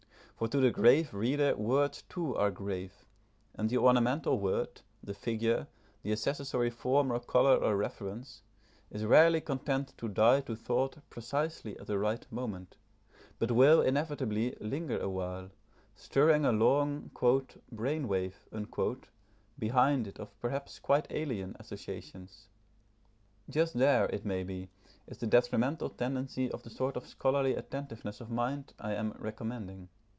For to the grave reader words too are grave; and the ornamental word, the figure, the accessory form or colour or reference, is rarely content to die to thought precisely at the right moment, but will inevitably linger awhile, stirring a long "brain wave" behind it of perhaps quite alien associations. Just there, it may be, is the detrimental tendency of the sort of scholarly attentiveness of mind I am recommending.